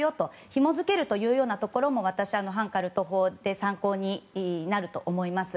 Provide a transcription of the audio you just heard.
ひもづけるようなところも私は反カルト法で参考になると思います。